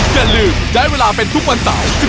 อย่าลืมได้เวลาเป็นทุกวันเสาร์